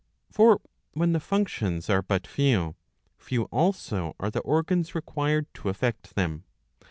For when the functions are but few, few also are the organs required to effect them.